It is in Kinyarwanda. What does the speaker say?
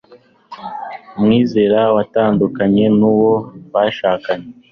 umwizera watandukanye n'uwo bashakanye